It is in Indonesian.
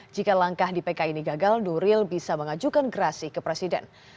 jika langkah di pk ini gagal nuril bisa mengajukan gerasi ke presiden